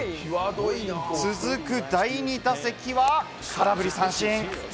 続く第２打席は空振り三振。